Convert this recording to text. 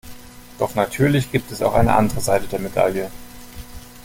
Doch natürlich gibt es auch eine andere Seite der Medaille.